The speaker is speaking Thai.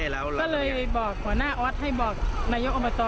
แล้วปกติเคยมีพวกจอดละเก้ในนี้มั้ย